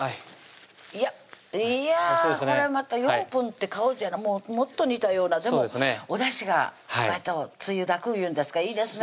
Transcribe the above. いやっいやこれまた４分って顔じゃないもっと煮たようなでもおだしがわりとつゆだくいうんですかいいですね